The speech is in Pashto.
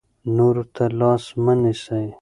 نورو ته لاس مه نیسئ.